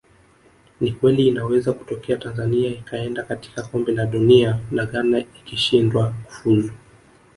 Ni kweli inaweza kutokea Tanzania ikaenda katika Kombe la Dunia na Ghana ikishindwa kufuzu